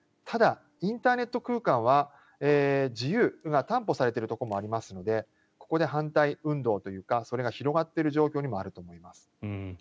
ただ、インターネット空間は自由が担保されているところもありますのでここで反対運動というかそれが広がっている状況にもあると思います。